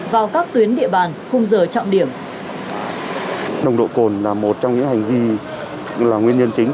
vào các tuyến địa bàn khung giờ trọng điểm